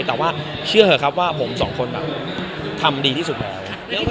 แต่ว่าเชื่อเถอะครับว่าผมสองคนทำดีที่สุดแล้ว